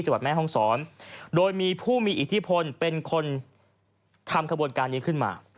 แม่ห้องศรโดยมีผู้มีอิทธิพลเป็นคนทำขบวนการนี้ขึ้นมา